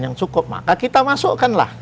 yang cukup maka kita masukkan lah